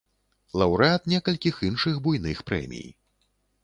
Лаўрэат некалькіх іншых буйных прэмій.